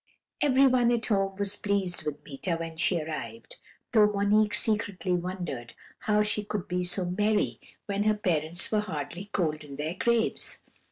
"Everyone at home was pleased with Meeta when she arrived, though Monique secretly wondered how she could be so merry when her parents were hardly cold in their graves.